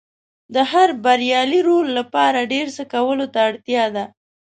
د هر بریالي رول لپاره ډېر څه کولو ته اړتیا ده.